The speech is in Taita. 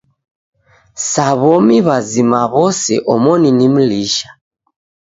Sa w'omi w'azima w'ose omoni ni mlisha.